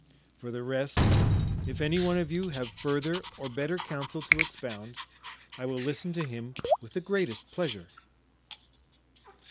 For the rest, if any one of you have further or better counsel to expound, I will listen to him with the greatest pleasure."